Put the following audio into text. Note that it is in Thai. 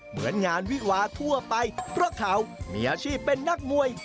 เหมือนงานวิวาทั่วไปเพราะเขามีอาชีพเป็นนักมวย